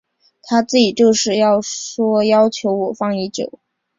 他自己就是说要求我方已久。